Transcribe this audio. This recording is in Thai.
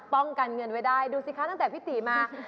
เงินไว้ได้ดูสิคะตั้งแต่พี่ตีมา